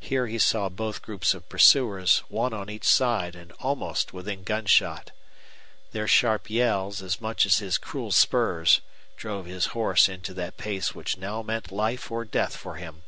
Here he saw both groups of pursuers, one on each side and almost within gun shot. Their sharp yells, as much as his cruel spurs, drove his horse into that pace which now meant life or death for him.